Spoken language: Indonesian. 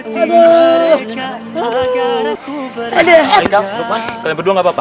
luqman kalian berdua gak apa apa